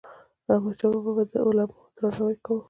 احمدشاه بابا به د علماوو درناوی کاوه.